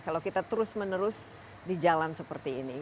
kalau kita terus menerus di jalan seperti ini